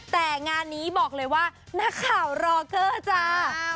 แต่งานนี้บอกเลยว่านักข่าวรอเกอร์จ้า